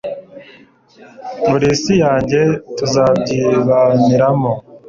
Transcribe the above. Uri isi yanjye tuzayibaniramo